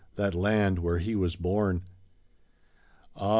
That land where he was bom. Ah!